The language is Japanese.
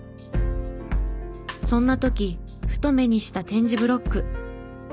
そんな時ふと目にした点字ブロック。